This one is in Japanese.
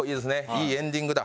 いいエンディングだ。